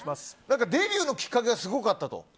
デビューのきっかけがすごかったと。